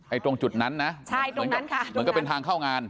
ตรงจุดนั้นนะใช่ตรงนั้นค่ะเหมือนกับเป็นทางเข้างาน